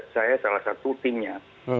saya salah satu timnya